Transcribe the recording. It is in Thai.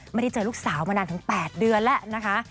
ไม่ได้เจอลูกสาวมานานถึง๘เดือนแล้วนะคะ